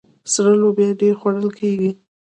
سره لوبیا ډیره خوړل کیږي.